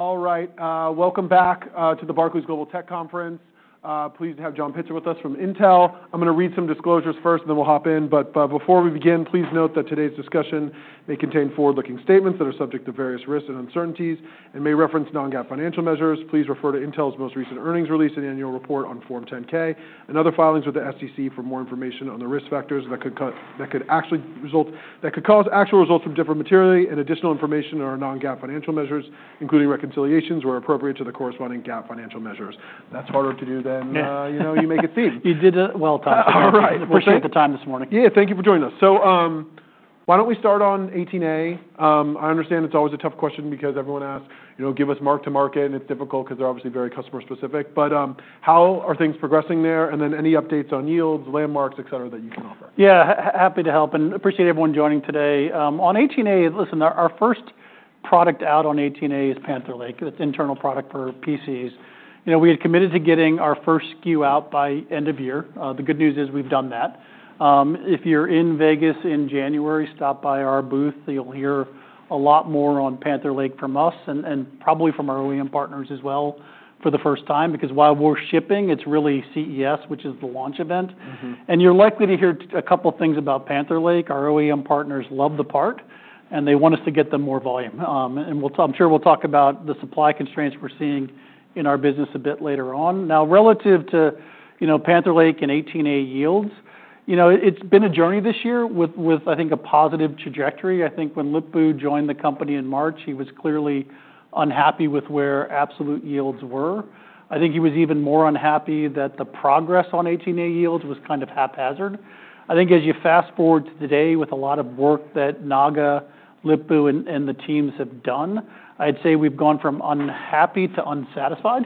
All right, welcome back to the Barclays Global Tech Conference. Pleased to have John Pitzer with us from Intel. I'm going to read some disclosures first, and then we'll hop in. But before we begin, please note that today's discussion may contain forward-looking statements that are subject to various risks and uncertainties, and may reference non-GAAP financial measures. Please refer to Intel's most recent earnings release and annual report on Form 10-K and other filings with the SEC for more information on the risk factors that could cause actual results to differ materially and additional information on our non-GAAP financial measures, including reconciliations where appropriate to the corresponding GAAP financial measures. That's harder to do than you make it seem. You did it well. All right. Appreciate the time this morning. Yeah. Thank you for joining us. Why don't we start on 18A? I understand it's always a tough question because everyone asks, "Give us mark-to-market," and it's difficult because they're obviously very customer-specific. But how are things progressing there? And then any updates on yields, landmarks, etc., that you can offer? Yeah, happy to help and appreciate everyone joining today. On 18A, listen, our first product out on 18A is Panther Lake. It's a client product for PCs. We had committed to getting our first SKU out by end of year. The good news is we've done that. If you're in Vegas in January, stop by our booth. You'll hear a lot more on Panther Lake from us and probably from our OEM partners as well for the first time because while we're shipping, it's really CES, which is the launch event, and you're likely to hear a couple of things about Panther Lake. Our OEM partners love the part, and they want us to get them more volume, and I'm sure we'll talk about the supply constraints we're seeing in our business a bit later on. Now, relative to Panther Lake and 18A yields, it's been a journey this year with, I think, a positive trajectory. I think when Lip-Bu joined the company in March, he was clearly unhappy with where absolute yields were. I think he was even more unhappy that the progress on 18A yields was kind of haphazard. I think as you fast forward to today with a lot of work that Naga, Lip-Bu, and the teams have done, I'd say we've gone from unhappy to unsatisfied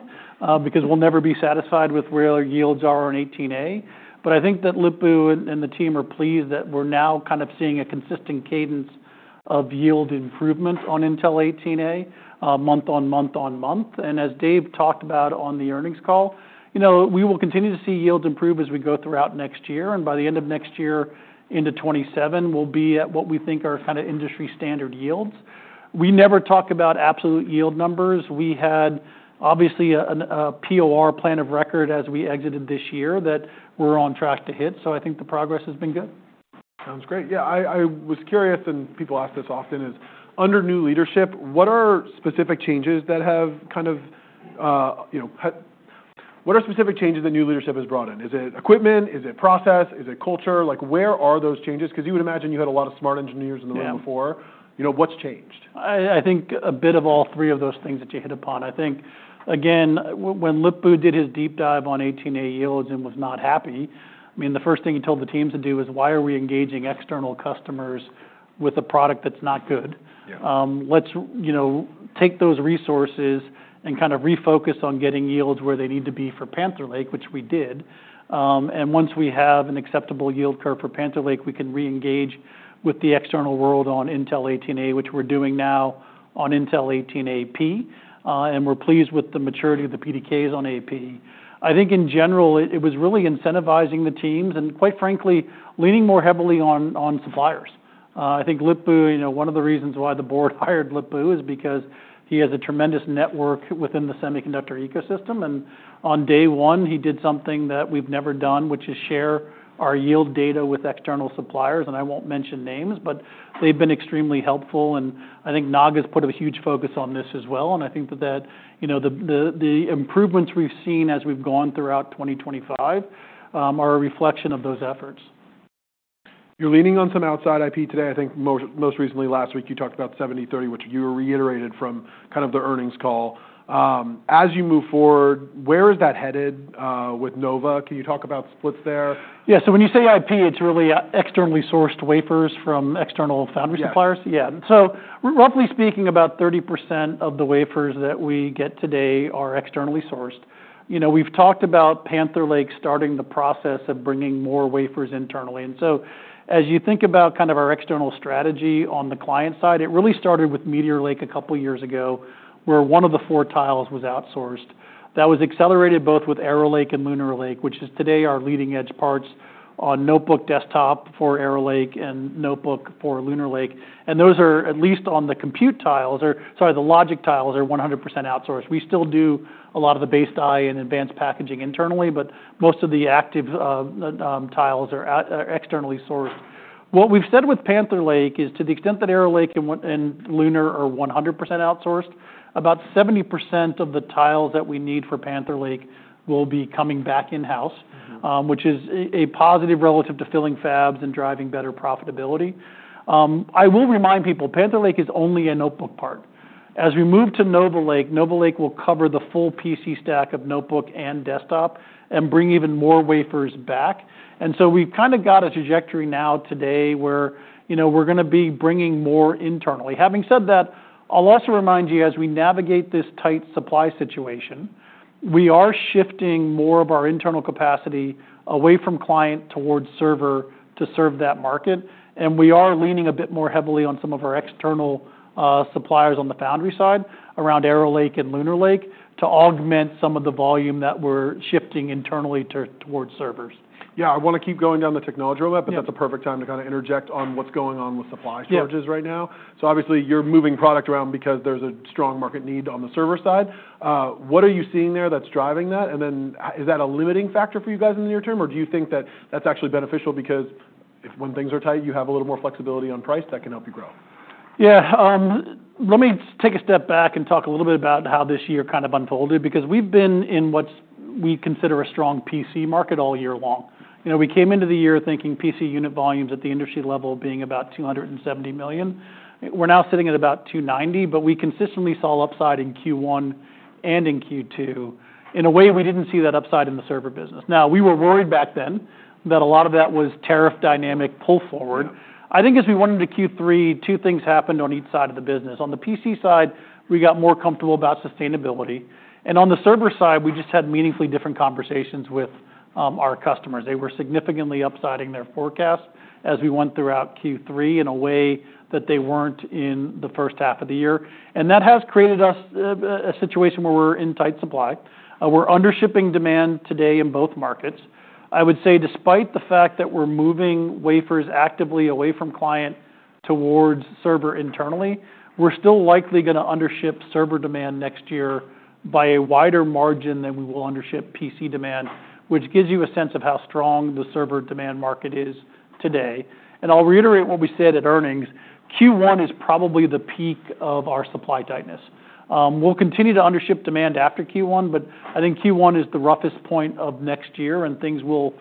because we'll never be satisfied with where our yields are on 18A. But I think that Lip-Bu and the team are pleased that we're now kind of seeing a consistent cadence of yield improvement on Intel 18A month on month on month. And as Dave talked about on the earnings call, we will continue to see yields improve as we go throughout next year. And by the end of next year, into 2027, we'll be at what we think are kind of industry standard yields. We never talk about absolute yield numbers. We had obviously a POR, Plan of Record, as we exited this year that we're on track to hit. So I think the progress has been good. Sounds great. Yeah. I was curious, and people ask this often, is under new leadership, what are specific changes that have kind of, what are specific changes that new leadership has brought in? Is it equipment? Is it process? Is it culture? Where are those changes? Because you would imagine you had a lot of smart engineers in the room before. What's changed? I think a bit of all three of those things that you hit upon. I think, again, when Lip-Bu did his deep dive on 18A yields and was not happy, I mean, the first thing he told the teams to do is, "Why are we engaging external customers with a product that's not good? Let's take those resources and kind of refocus on getting yields where they need to be for Panther Lake," which we did. And once we have an acceptable yield curve for Panther Lake, we can reengage with the external world on Intel 18A, which we're doing now on Intel 18A, AP. We're pleased with the maturity of the PDKs on AP. I think in general, it was really incentivizing the teams and, quite frankly, leaning more heavily on suppliers. I think Lip-Bu, one of the reasons why the board hired Lip-Bu is because he has a tremendous network within the semiconductor ecosystem, and on day one, he did something that we've never done, which is share our yield data with external suppliers. I won't mention names, but they've been extremely helpful. I think Naga's put a huge focus on this as well. I think that the improvements we've seen as we've gone throughout 2025 are a reflection of those efforts. You're leaning on some outside IP today. I think most recently, last week, you talked about 70/30, which you reiterated from kind of the earnings call. As you move forward, where is that headed with Nova? Can you talk about splits there? Yeah. So when you say IP, it's really externally sourced wafers from external foundry suppliers? Yeah. Yeah. So roughly speaking, about 30% of the wafers that we get today are externally sourced. We've talked about Panther Lake starting the process of bringing more wafers internally. As you think about kind of our external strategy on the client side, it really started with Meteor Lake a couple of years ago where one of the four tiles was outsourced. That was accelerated both with Arrow Lake and Lunar Lake, which is today our leading-edge parts on notebook desktop for Arrow Lake and notebook for Lunar Lake. Those are, at least on the compute tiles, or sorry, the logic tiles, are 100% outsourced. We still do a lot of the base die and advanced packaging internally, but most of the active tiles are externally sourced. What we've said with Panther Lake is to the extent that Arrow Lake and Lunar Lake are 100% outsourced, about 70% of the tiles that we need for Panther Lake will be coming back in-house, which is a positive relative to filling fabs and driving better profitability. I will remind people, Panther Lake is only a notebook part. As we move to Nova Lake, Nova Lake will cover the full PC stack of notebook and desktop and bring even more wafers back. We've kind of got a trajectory now today where we're going to be bringing more internally. Having said that, I'll also remind you, as we navigate this tight supply situation, we are shifting more of our internal capacity away from client towards server to serve that market. We are leaning a bit more heavily on some of our external suppliers on the foundry side around Arrow Lake and Lunar Lake to augment some of the volume that we're shifting internally towards servers. Yeah. I want to keep going down the technology roadmap, but that's a perfect time to kind of interject on what's going on with supply shortages right now. So obviously, you're moving product around because there's a strong market need on the server side. What are you seeing there that's driving that? Is that a limiting factor for you guys in the near term, or do you think that that's actually beneficial because when things are tight, you have a little more flexibility on price that can help you grow? Yeah. Let me take a step back and talk a little bit about how this year kind of unfolded because we've been in what we consider a strong PC market all year long. We came into the year thinking PC unit volumes at the industry level being about 270 million. We're now sitting at about 290, but we consistently saw upside in Q1 and in Q2. In a way, we didn't see that upside in the server business. Now, we were worried back then that a lot of that was tariff dynamic pull forward. I think as we went into Q3, two things happened on each side of the business. On the PC side, we got more comfortable about sustainability, and on the server side, we just had meaningfully different conversations with our customers. They were significantly upsiding their forecasts as we went throughout Q3 in a way that they weren't in the first half of the year. That has created us a situation where we're in tight supply. We're undershipping demand today in both markets. I would say despite the fact that we're moving wafers actively away from client towards server internally, we're still likely going to undership server demand next year by a wider margin than we will undership PC demand, which gives you a sense of how strong the server demand market is today. I'll reiterate what we said at earnings. Q1 is probably the peak of our supply tightness. We'll continue to undership demand after Q1, but I think Q1 is the roughest point of next year, and things will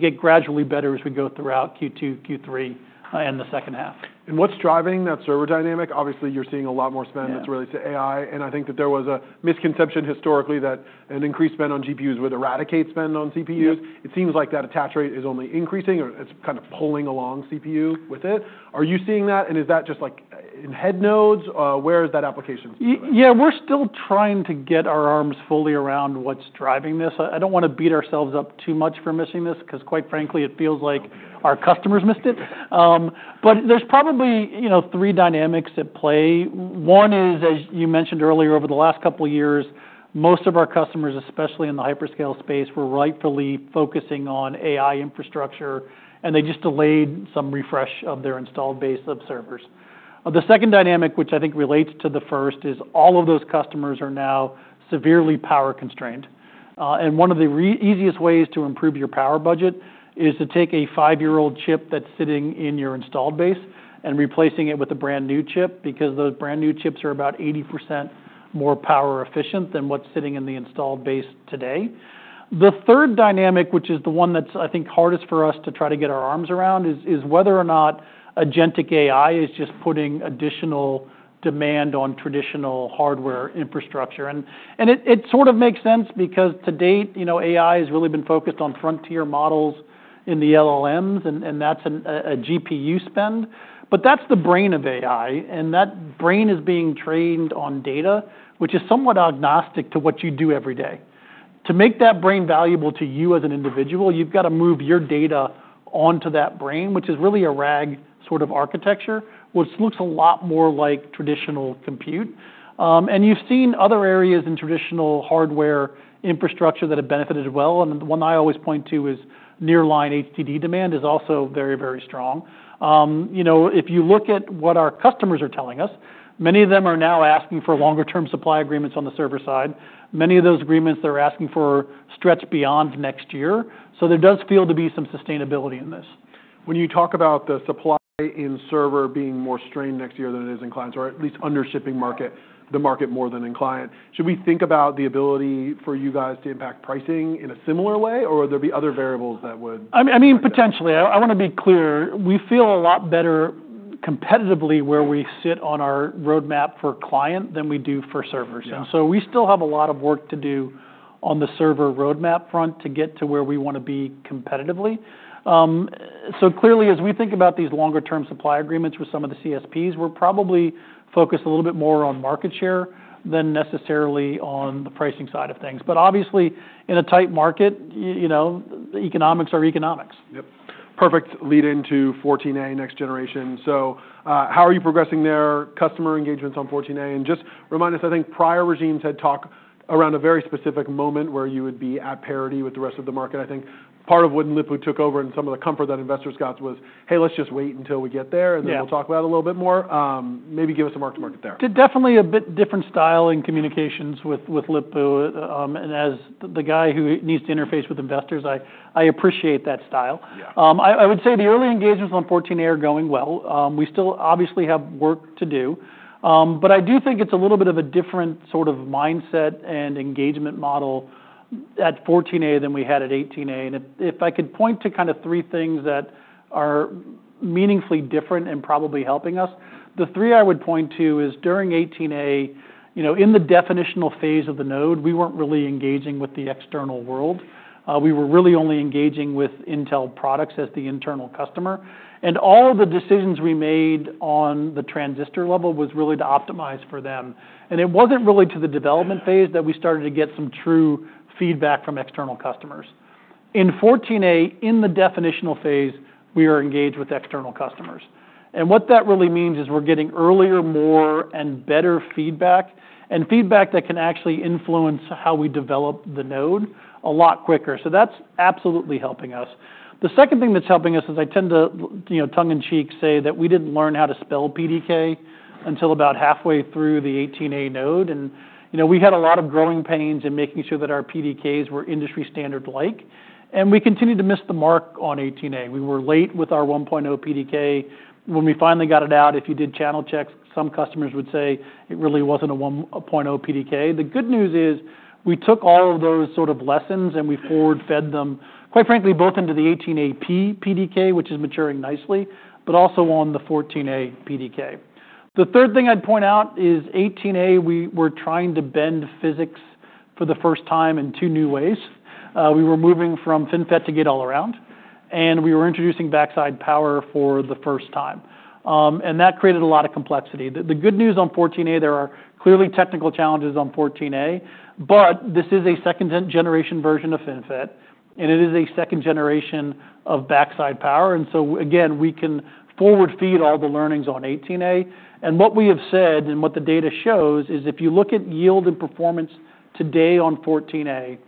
get gradually better as we go throughout Q2, Q3, and the second half. What's driving that server dynamic? Obviously, you're seeing a lot more spend that's related to AI. I think that there was a misconception historically that an increased spend on GPUs would eradicate spend on CPUs. It seems like that attach rate is only increasing, or it's kind of pulling along CPU with it. Are you seeing that? Is that just like in head nodes? Where is that application? Yeah. We're still trying to get our arms fully around what's driving this. I don't want to beat ourselves up too much for missing this because, quite frankly, it feels like our customers missed it. But there's probably three dynamics at play. One is, as you mentioned earlier, over the last couple of years, most of our customers, especially in the hyperscale space, were rightfully focusing on AI infrastructure, and they just delayed some refresh of their installed base of servers. The second dynamic, which I think relates to the first, is all of those customers are now severely power constrained. One of the easiest ways to improve your power budget is to take a five-year-old chip that's sitting in your installed base and replacing it with a brand new chip because those brand new chips are about 80% more power efficient than what's sitting in the installed base today. The third dynamic, which is the one that's, I think, hardest for us to try to get our arms around, is whether or not agentic AI is just putting additional demand on traditional hardware infrastructure. It sort of makes sense because to date, AI has really been focused on frontier models in the LLMs, and that's a GPU spend. But that's the brain of AI, and that brain is being trained on data, which is somewhat agnostic to what you do every day. To make that brain valuable to you as an individual, you've got to move your data onto that brain, which is really a RAG sort of architecture, which looks a lot more like traditional compute. You've seen other areas in traditional hardware infrastructure that have benefited well. The one I always point to is Nearline HDD demand is also very, very strong. If you look at what our customers are telling us, many of them are now asking for longer-term supply agreements on the server side. Many of those agreements they're asking for stretch beyond next year. So there does feel to be some sustainability in this. When you talk about the supply in server being more strained next year than it is in clients, or at least undershipping the market more than in client, should we think about the ability for you guys to impact pricing in a similar way, or would there be other variables that would? I mean, potentially. I want to be clear. We feel a lot better competitively where we sit on our roadmap for client than we do for servers. So we still have a lot of work to do on the server roadmap front to get to where we want to be competitively. So clearly, as we think about these longer-term supply agreements with some of the CSPs, we're probably focused a little bit more on market share than necessarily on the pricing side of things. But obviously, in a tight market, economics are economics. Yep. Perfect. Lead into 14A next generation. How are you progressing there? Customer engagements on 14A. Just remind us, I think prior regimes had talked around a very specific moment where you would be at parity with the rest of the market. I think part of when Lip-Bu took over and some of the comfort that investors got was, "Hey, let's just wait until we get there, and then we'll talk about it a little bit more." Maybe give us a mark to market there. Definitely a bit different style in communications with Lip-Bu. As the guy who needs to interface with investors, I appreciate that style. I would say the early engagements on 14A are going well. We still obviously have work to do. But I do think it's a little bit of a different sort of mindset and engagement model at 14A than we had at 18A. If I could point to kind of three things that are meaningfully different and probably helping us, the three I would point to is during 18A, in the definitional phase of the node, we weren't really engaging with the external world. We were really only engaging with Intel products as the internal customer. All of the decisions we made on the transistor level was really to optimize for them. It wasn't really until the development phase that we started to get some true feedback from external customers. In 14A, in the definitional phase, we are engaged with external customers. What that really means is we're getting earlier, more, and better feedback, and feedback that can actually influence how we develop the node a lot quicker. That's absolutely helping us. The second thing that's helping us is I tend to tongue-in-cheek say that we didn't learn how to spell PDK until about halfway through the 18A node. We had a lot of growing pains in making sure that our PDKs were industry standard-like. We continued to miss the mark on 18A. We were late with our 1.0 PDK. When we finally got it out, if you did channel checks, some customers would say it really wasn't a 1.0 PDK. The good news is we took all of those sort of lessons and we forward-fed them, quite frankly, both into the 18AP PDK, which is maturing nicely, but also on the 14A PDK. The third thing I'd point out is 18A. We were trying to bend physics for the first time in two new ways. We were moving from FinFET to Gate-All-Around, and we were introducing backside power for the first time, and that created a lot of complexity. The good news on 14A, there are clearly technical challenges on 14A, but this is a second-generation version of FinFET, and it is a second generation of backside power, and so again, we can forward-feed all the learnings on 18A. What we have said and what the data shows is if you look at yield and performance today on 14A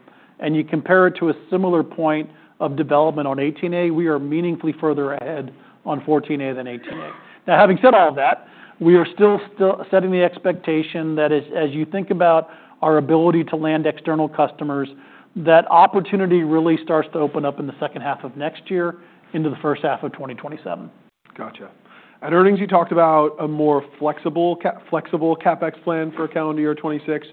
and you compare it to a similar point of development on 18A, we are meaningfully further ahead on 14A than 18A. Now, having said all of that, we are still setting the expectation that as you think about our ability to land external customers, that opportunity really starts to open up in the second half of next year into the first half of 2027. Gotcha. At earnings, you talked about a more flexible CapEx plan for calendar year 2026,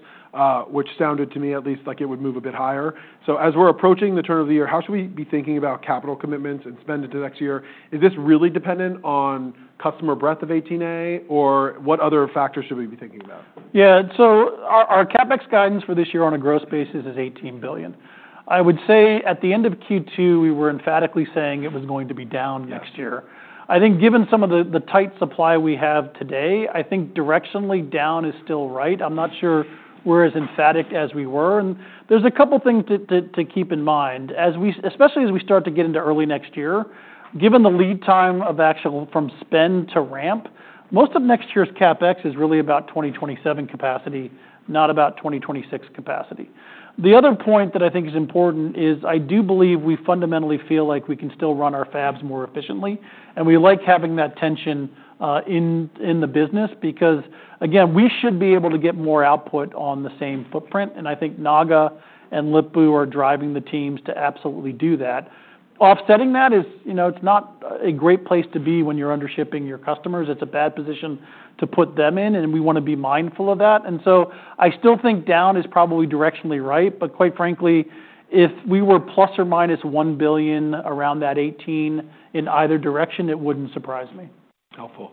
which sounded to me at least like it would move a bit higher. So as we're approaching the turn of the year, how should we be thinking about capital commitments and spend into next year? Is this really dependent on customer breadth of 18A, or what other factors should we be thinking about? Yeah. Our CapEx guidance for this year on a gross basis is $18 billion. I would say at the end of Q2, we were emphatically saying it was going to be down next year. I think given some of the tight supply we have today, I think directionally down is still right. I'm not sure we're as emphatic as we were, and there's a couple of things to keep in mind, especially as we start to get into early next year. Given the lead time of actual from spend to ramp, most of next year's CapEx is really about 2027 capacity, not about 2026 capacity. The other point that I think is important is I do believe we fundamentally feel like we can still run our fabs more efficiently. We like having that tension in the business because, again, we should be able to get more output on the same footprint. I think Naga and Lip-Bu are driving the teams to absolutely do that. Offsetting that is it's not a great place to be when you're undershipping your customers. It's a bad position to put them in, and we want to be mindful of that. I still think down is probably directionally right, but quite frankly, if we were plus or minus $1 billion around that $18 billion in either direction, it wouldn't surprise me. Helpful.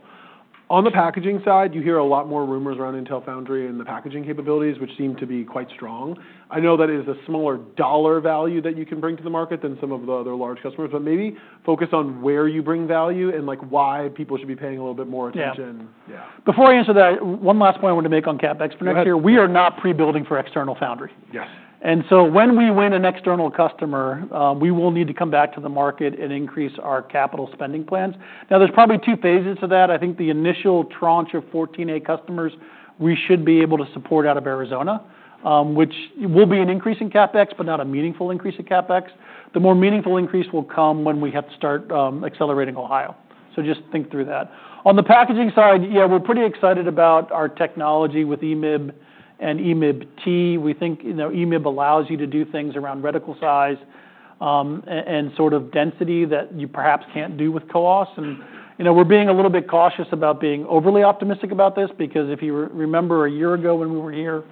On the packaging side, you hear a lot more rumors around Intel Foundry and the packaging capabilities, which seem to be quite strong. I know that it is a smaller dollar value that you can bring to the market than some of the other large customers, but maybe focus on where you bring value and why people should be paying a little bit more attention. Yeah. Before I answer that, one last point I want to make on CapEx for next year. We are not pre-building for external foundry, and so when we win an external customer, we will need to come back to the market and increase our capital spending plans. Now, there's probably two phases to that. I think the initial tranche of 14A customers we should be able to support out of Arizona, which will be an increase in CapEx, but not a meaningful increase in CapEx. The more meaningful increase will come when we have to start accelerating Ohio, so just think through that. On the packaging side, yeah, we're pretty excited about our technology with EMIB and EMIB-T. We think EMIB allows you to do things around reticle size and sort of density that you perhaps can't do with CoWoS. We're being a little bit cautious about being overly optimistic about this because if you remember a year ago when we were here,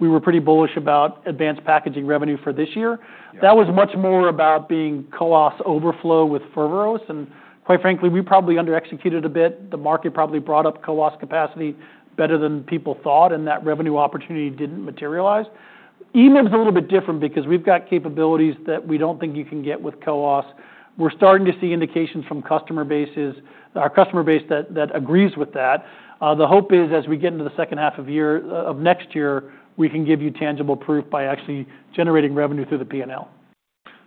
we were pretty bullish about advanced packaging revenue for this year. That was much more about being CoWoS overflow with Foveros. Quite frankly, we probably under-executed a bit. The market probably brought up CoWoS capacity better than people thought, and that revenue opportunity didn't materialize. EMIB is a little bit different because we've got capabilities that we don't think you can get with CoWoS. We're starting to see indications from customer bases, our customer base that agrees with that. The hope is as we get into the second half of next year, we can give you tangible proof by actually generating revenue through the P&L.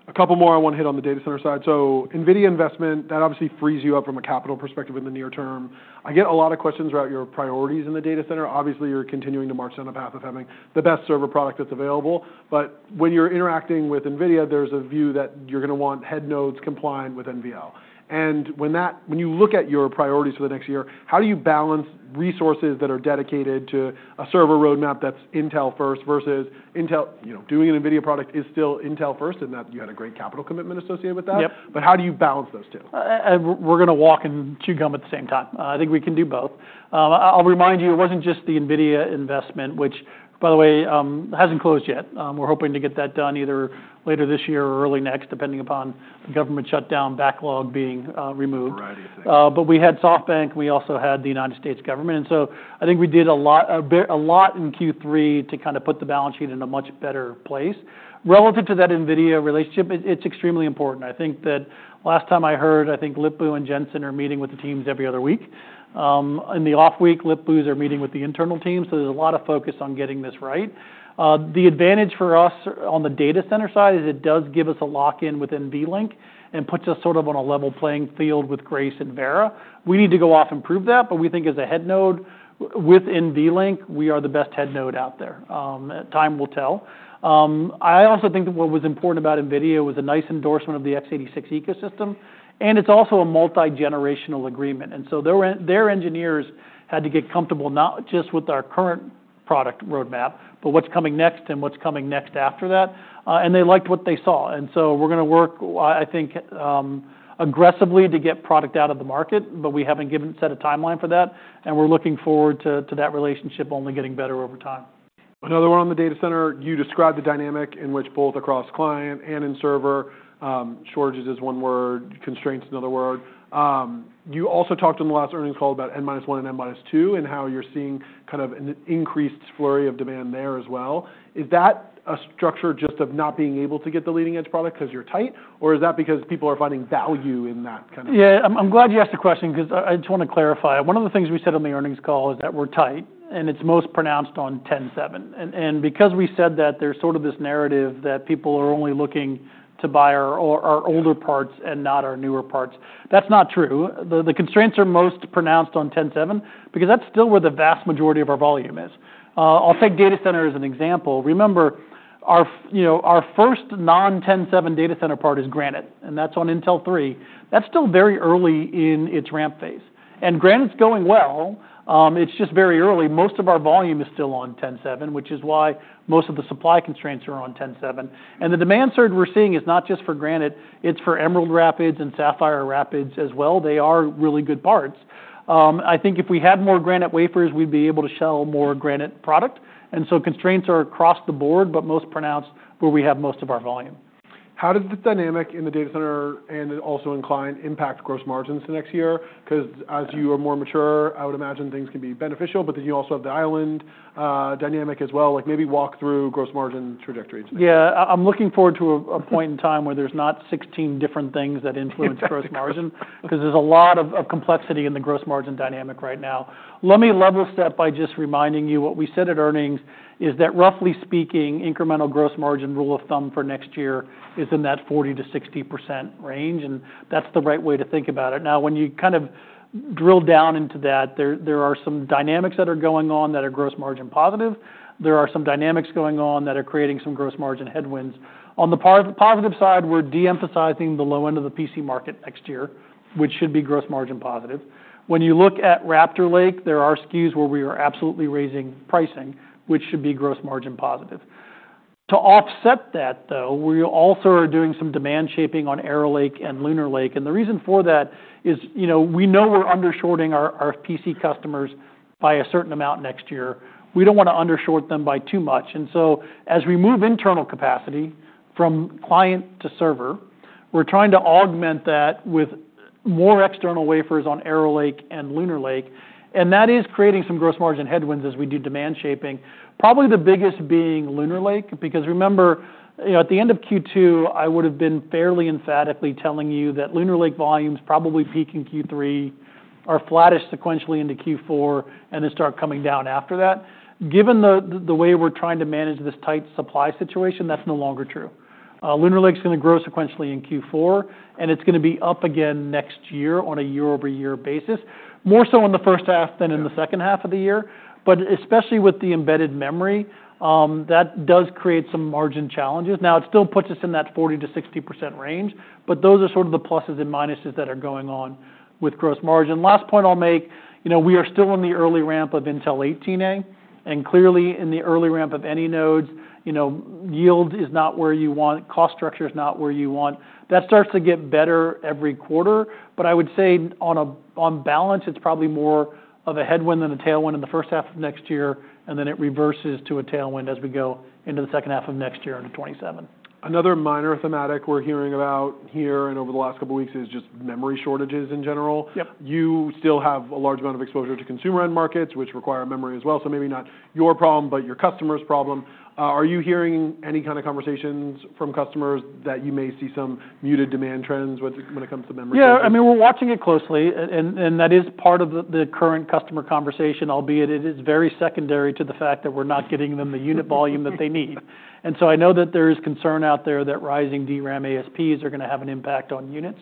A couple more I want to hit on the data center side. NVIDIA investment, that obviously frees you up from a capital perspective in the near term. I get a lot of questions about your priorities in the data center. Obviously, you're continuing to march down the path of having the best server product that's available. But when you're interacting with NVIDIA, there's a view that you're going to want head nodes compliant with NVL. When you look at your priorities for the next year, how do you balance resources that are dedicated to a server roadmap that's Intel first versus Intel doing an NVIDIA product is still Intel first and that you had a great capital commitment associated with that? But how do you balance those two? We're going to walk and chew gum at the same time. I think we can do both. I'll remind you, it wasn't just the NVIDIA investment, which, by the way, hasn't closed yet. We're hoping to get that done either later this year or early next, depending upon the government shutdown backlog being removed, but we had SoftBank, and we also had the United States government, and so I think we did a lot in Q3 to kind of put the balance sheet in a much better place. Relative to that NVIDIA relationship, it's extremely important. I think that last time I heard, I think Lip-Bu and Jensen are meeting with the teams every other week, in the off-week, Lip-Bu is are meeting with the internal team, so there's a lot of focus on getting this right. The advantage for us on the data center side is it does give us a lock-in with NVLink and puts us sort of on a level playing field with Grace and Vera. We need to go off and prove that, but we think as a head node with NVLink, we are the best head node out there. Time will tell. I also think that what was important about NVIDIA was a nice endorsement of the x86 ecosystem, and it's also a multi-generational agreement, and so their engineers had to get comfortable not just with our current product roadmap, but what's coming next and what's coming next after that, and they liked what they saw, and so we're going to work, I think, aggressively to get product out of the market, but we haven't set a timeline for that, and we're looking forward to that relationship only getting better over time. Another one on the data center. You described the dynamic in which both across client and in server, shortages is one word, constraints another word. You also talked in the last earnings call about N-1 and N-2 and how you're seeing kind of an increased flurry of demand there as well. Is that a structure just of not being able to get the leading-edge product because you're tight, or is that because people are finding value in that kind of? Yeah, I'm glad you asked the question because I just want to clarify. One of the things we said on the earnings call is that we're tight, and it's most pronounced on 10/7, and because we said that there's sort of this narrative that people are only looking to buy our older parts and not our newer parts, that's not true. The constraints are most pronounced on 10/7 because that's still where the vast majority of our volume is. I'll take data center as an example. Remember, our first non-10/7 data center part is Granite, and that's on Intel 3. That's still very early in its ramp phase, and Granite's going well. It's just very early. Most of our volume is still on 10/7, which is why most of the supply constraints are on 10/7, and the demand surge we're seeing is not just for Granite. It's for Emerald Rapids and Sapphire Rapids as well. They are really good parts. I think if we had more Granite wafers, we'd be able to sell more Granite product. And so constraints are across the board, but most pronounced where we have most of our volume. How does the dynamic in the data center and also AI line impact gross margins the next year? Because as you are more mature, I would imagine things can be beneficial, but then you also have the client dynamic as well. Maybe walk through gross margin trajectory. Yeah, I'm looking forward to a point in time where there's not 16 different things that influence gross margin because there's a lot of complexity in the gross margin dynamic right now. Let me level set by just reminding you what we said at earnings is that roughly speaking, incremental gross margin rule of thumb for next year is in that 40%-60% range, and that's the right way to think about it. Now, when you kind of drill down into that, there are some dynamics that are going on that are gross margin positive. There are some dynamics going on that are creating some gross margin headwinds. On the positive side, we're de-emphasizing the low end of the PC market next year, which should be gross margin positive. When you look at Raptor Lake, there are SKUs where we are absolutely raising pricing, which should be gross margin positive. To offset that, though, we also are doing some demand shaping on Arrow Lake and Lunar Lake. The reason for that is we know we're undershoring our PC customers by a certain amount next year. We don't want to undershort them by too much. And so as we move internal capacity from client to server, we're trying to augment that with more external wafers on Arrow Lake and Lunar Lake. And that is creating some gross margin headwinds as we do demand shaping. Probably the biggest being Lunar Lake because remember, at the end of Q2, I would have been fairly emphatically telling you that Lunar Lake volumes probably peak in Q3, are flattish sequentially into Q4, and then start coming down after that. Given the way we're trying to manage this tight supply situation, that's no longer true. Lunar Lake's going to grow sequentially in Q4, and it's going to be up again next year on a year-over-year basis, more so in the first half than in the second half of the year. But especially with the embedded memory, that does create some margin challenges. Now, it still puts us in that 40%-60% range, but those are sort of the pluses and minuses that are going on with gross margin. Last point I'll make, we are still in the early ramp of Intel 18A, and clearly in the early ramp of any nodes, yield is not where you want, cost structure is not where you want. That starts to get better every quarter, but I would say on balance, it's probably more of a headwind than a tailwind in the first half of next year, and then it reverses to a tailwind as we go into the second half of next year into 2027. Another minor thematic we're hearing about here and over the last couple of weeks is just memory shortages in general. You still have a large amount of exposure to consumer end markets, which require memory as well. So maybe not your problem, but your customer's problem. Are you hearing any kind of conversations from customers that you may see some muted demand trends when it comes to memory? Yeah. I mean, we're watching it closely, and that is part of the current customer conversation, albeit it is very secondary to the fact that we're not getting them the unit volume that they need. And so I know that there is concern out there that rising DRAM ASPs are going to have an impact on units.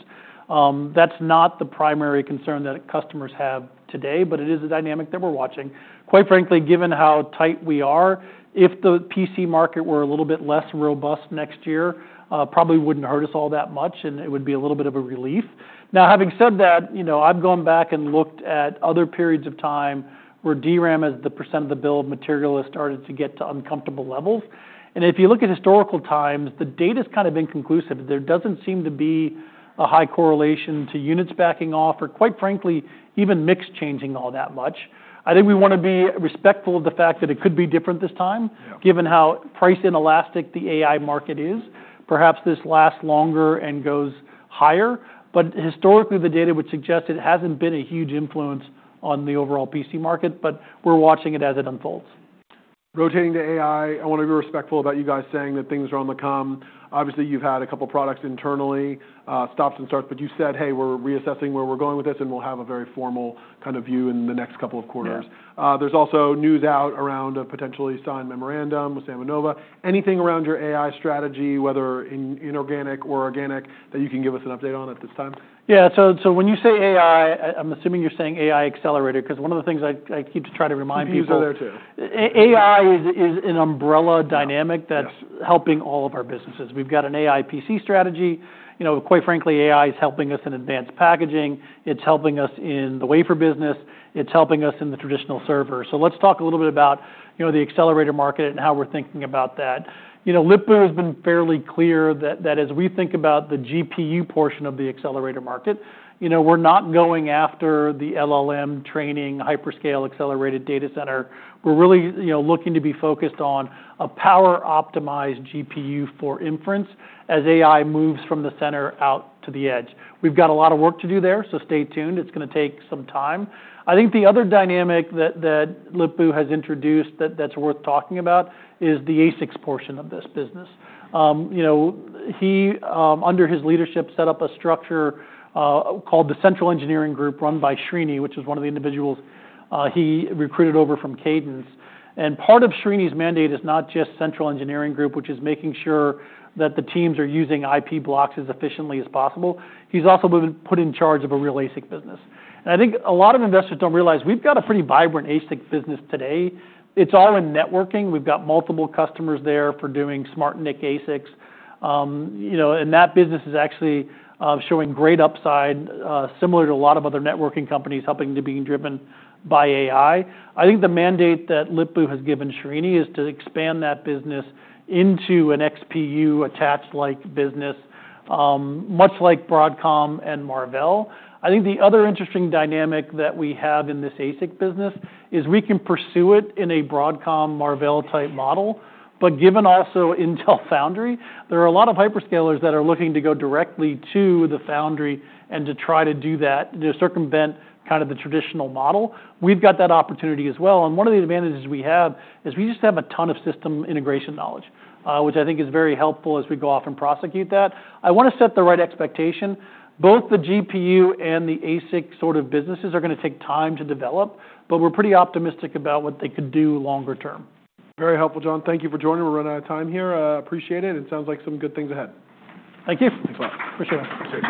That's not the primary concern that customers have today, but it is a dynamic that we're watching. Quite frankly, given how tight we are, if the PC market were a little bit less robust next year, probably wouldn't hurt us all that much, and it would be a little bit of a relief. Now, having said that, I've gone back and looked at other periods of time where DRAM as the percent of the bill of material has started to get to uncomfortable levels. If you look at historical times, the data's kind of inconclusive. There doesn't seem to be a high correlation to units backing off or, quite frankly, even mix changing all that much. I think we want to be respectful of the fact that it could be different this time, given how price inelastic the AI market is. Perhaps this lasts longer and goes higher, but historically, the data would suggest it hasn't been a huge influence on the overall PC market, but we're watching it as it unfolds. Rotating to AI, I want to be respectful about you guys saying that things are on the come. Obviously, you've had a couple of products internally, stops and starts, but you said, "Hey, we're reassessing where we're going with this, and we'll have a very formal kind of view in the next couple of quarters." There's also news out around a potentially signed memorandum with SambaNova. Anything around your AI strategy, whether inorganic or organic, that you can give us an update on at this time? Yeah. When you say AI, I'm assuming you're saying AI accelerator because one of the things I keep trying to remind people. You use it there too. AI is an umbrella dynamic that's helping all of our businesses. We've got an AI PC strategy. Quite frankly, AI is helping us in advanced packaging. It's helping us in the wafer business. It's helping us in the traditional server. So let's talk a little bit about the accelerator market and how we're thinking about that. Lip-Bu has been fairly clear that as we think about the GPU portion of the accelerator market, we're not going after the LLM training hyperscale accelerated data center. We're really looking to be focused on a power-optimized GPU for inference as AI moves from the center out to the edge. We've got a lot of work to do there, so stay tuned. It's going to take some time. I think the other dynamic that Lip-Bu has introduced that's worth talking about is the ASICs portion of this business. He, under his leadership, set up a structure called the Central Engineering Group run by Srinivas, which is one of the individuals he recruited over from Cadence. Part of Srinivas's mandate is not just Central Engineering Group, which is making sure that the teams are using IP blocks as efficiently as possible. He's also been put in charge of a real ASIC business. I think a lot of investors don't realize we've got a pretty vibrant ASIC business today. It's all in networking. We've got multiple customers there for doing SmartNIC ASICs. That business is actually showing great upside, similar to a lot of other networking companies helping to be driven by AI. I think the mandate that Lip-Bu has given Srinivas is to expand that business into an XPU attached-like business, much like Broadcom and Marvell. I think the other interesting dynamic that we have in this ASIC business is we can pursue it in a Broadcom, Marvell-type model, but given also Intel Foundry, there are a lot of hyperscalers that are looking to go directly to the Foundry and to try to do that, to circumvent kind of the traditional model. We've got that opportunity as well. One of the advantages we have is we just have a ton of system integration knowledge, which I think is very helpful as we go off and prosecute that. I want to set the right expectation. Both the GPU and the ASIC sort of businesses are going to take time to develop, but we're pretty optimistic about what they could do longer term. Very helpful, John. Thank you for joining. We're running out of time here. Appreciate it. It sounds like some good things ahead. Thank you. Thanks a lot. Appreciate it.